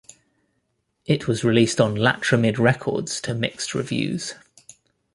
It was released on Latyramid records to mixed reviews.